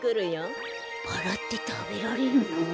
バラってたべられるの？